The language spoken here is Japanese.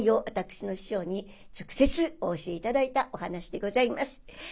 私の師匠に直接お教え頂いたお噺でございます。